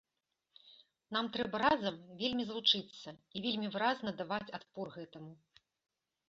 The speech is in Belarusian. Нам трэба разам вельмі злучыцца і вельмі выразна даваць адпор гэтаму.